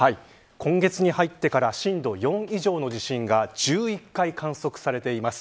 今月に入ってから震度４以上の地震が１１回観測されています。